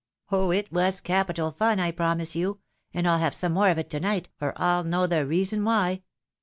Oh ! it was capital fun, I promise you, and I'll have some more of it to night, or I'll know the reason why.